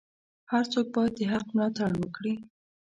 هر څوک باید د حق ملاتړ وکړي.